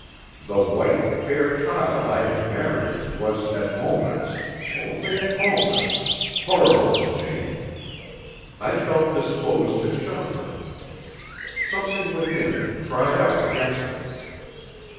The white, fair child I had married was at moments only at moments horrible to me. I felt disposed to shun her. Something within cried out against her.